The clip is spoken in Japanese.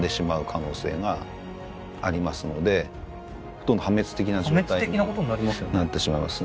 あとは破滅的な状態になってしまいます。